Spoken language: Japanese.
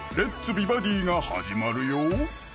美バディ」が始まるよ